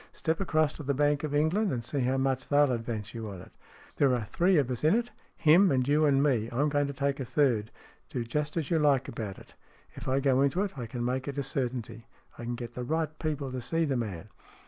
Step across to the Bank of England, and see how much they'll advance you on it. There are three of us in it. Him and you and me. I'm going to take a third. Do just as you like about it. If I go into it I can make it a certainty. I can get the right people to see the man."